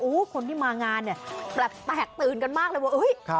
โอ้โหคนที่มางานเนี่ยแปลกตื่นกันมากเลยว่า